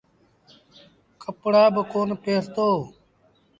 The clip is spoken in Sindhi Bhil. ڪپڙآ با ڪونا پهرتو۔